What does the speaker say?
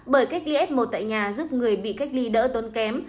bởi cách ly f một tại nhà giúp người bị cách ly đỡ tốn kém